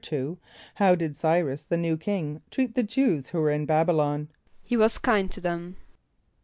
= How did Ç[=y]´rus, the new king, treat the Jew[s+] who were in B[)a]b´[)y] lon? =He was kind to them.